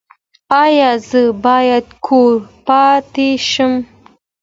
ایا زه باید کور پاتې شم؟